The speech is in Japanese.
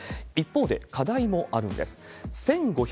一方で課題もあるんです。